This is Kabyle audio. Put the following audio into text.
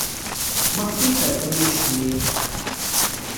Maɣef ay terfam anect-nni akk?